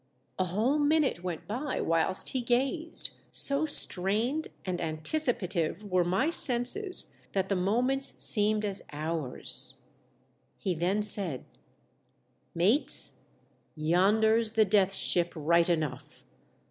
A whole minute went by whilst he gazed ; so strained and anticipative were my senses that the moments seemed as hours. He then said, " Mates, yonder's the Death Ship, right enough